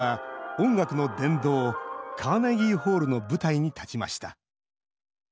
翌年には音楽の殿堂カーネギーホールの舞台に立ちました。